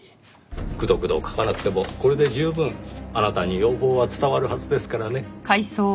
くどくど書かなくてもこれで十分あなたに要望は伝わるはずですからね。